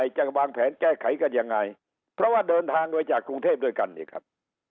จะวางแผนแก้ไขกันยังไงเพราะว่าเดินทางมาจากกรุงเทพด้วยกันนี่ครับ